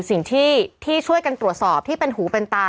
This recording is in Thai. สิ่งที่ช่วยกันตรวจสอบที่เป็นหูเป็นตา